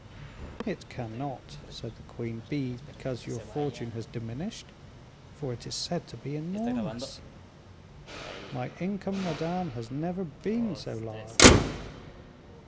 "It cannot," said the queen, "be because your fortune has diminished, for it is said to be enormous." "My income, madame, has never been so large."